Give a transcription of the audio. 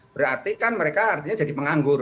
berarti kan mereka artinya jadi penganggur